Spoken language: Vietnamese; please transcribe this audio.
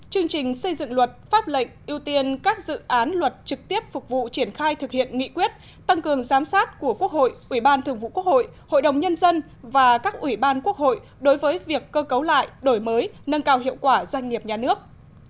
chương trình xây dựng luật pháp lệnh ưu tiên các dự án luật trực tiếp phục vụ triển khai thực hiện nghị quyết tăng cường giám sát của quốc hội ủy ban thường vụ quốc hội hội đồng nhân dân và các ủy ban quốc hội đối với việc cơ cấu lại đổi mới nâng cao hiệu quả doanh nghiệp nhà nước